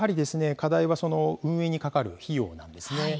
課題はその運営にかかる費用なんですね。